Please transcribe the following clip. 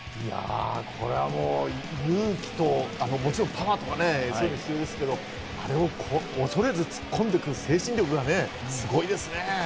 これは勇気ともちろんパワーとかも必要ですけど、恐れず突っ込んでいく精神力がね、すごいですね。